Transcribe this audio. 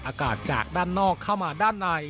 อากาศจากด้านนอกเข้ามาด้านใน